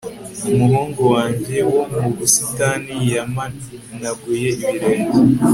umuhungu wanjye wo mu busitani yamenaguye ibirenge